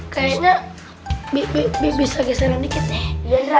kayaknya bisa geseran dikit deh